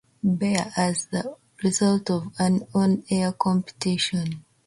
Bear as the result of an on-air competition.